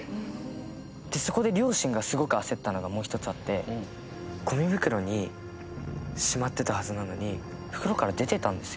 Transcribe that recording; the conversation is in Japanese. そこで両親がすごく焦ったのがもう一つあってゴミ袋にしまってたはずなのに袋から出てたんですよ。